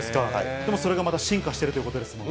でもそれがまた進化しているということですもんね。